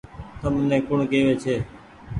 تم ني ڪوڻ ڪيوي ڇي ۔